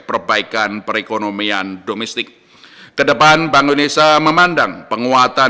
nilai tukar rupiah didorong oleh peningkatan aliran masuk modal asing ke pasar ke uangan domestik